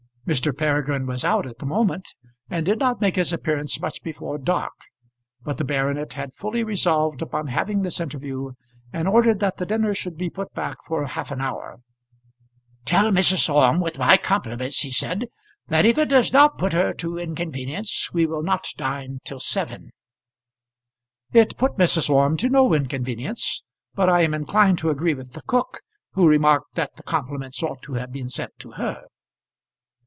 Mr. Peregrine was out at the moment, and did not make his appearance much before dark, but the baronet had fully resolved upon having this interview, and ordered that the dinner should be put back for half an hour. "Tell Mrs. Orme, with my compliments," he said, "that if it does not put her to inconvenience we will not dine till seven." It put Mrs. Orme to no inconvenience; but I am inclined to agree with the cook, who remarked that the compliments ought to have been sent to her.